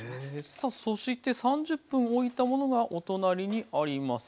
さあそして３０分おいたものがお隣にあります。